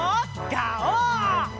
ガオー！